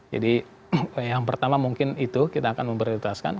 jadi yang pertama mungkin itu kita akan memperlintaskan